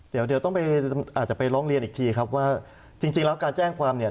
เดี๋ยวต้องไปอาจจะไปร้องเรียนอีกทีครับว่าจริงแล้วการแจ้งความเนี่ย